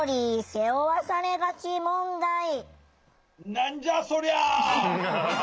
何じゃそりゃ。